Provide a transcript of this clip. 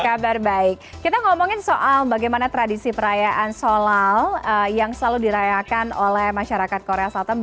kabar baik kita ngomongin soal bagaimana tradisi perayaan sholal yang selalu dirayakan oleh masyarakat korea selatan